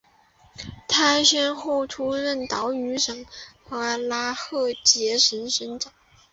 他先后出任岛屿省和拉赫杰省省长。